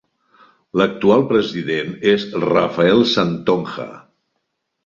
L'actual president és Rafael Santonja.